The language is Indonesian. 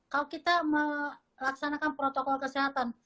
kalau kita melaksanakan protokol kesehatan